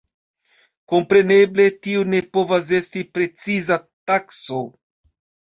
Kompreneble tio ne povas esti preciza takso.